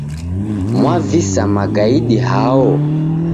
Mwavisa magaidi hao?